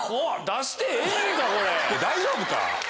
大丈夫か？